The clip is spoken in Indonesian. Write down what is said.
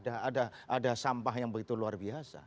gak pernah ada sampah yang begitu luar biasa